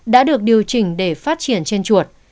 đã được điều chỉnh để phát triển trên chuột